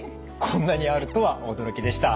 こんなにあるとは驚きでした。